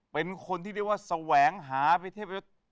เป็นคนที่เรียกว่าแสวงหาไปเทพ